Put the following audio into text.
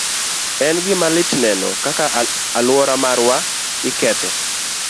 En gima lit neno kaka alwora marwa iketho.